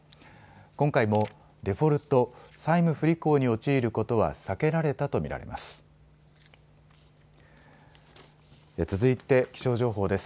今回もデフォルト・債務不履行に陥ることは避けられたと見られます。